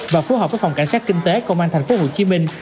và phù hợp với phòng cảnh sát kinh tế công an thành phố hồ chí minh